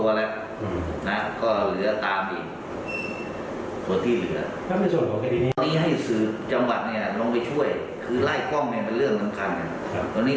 กล้องมองจรปิดอะไรต่างและก็ใช้ไปช่วยคดีนี้เป็นสลับซ้อมไม่มากนะฮะ